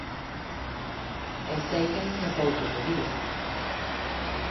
E sei que non é pouco pedir!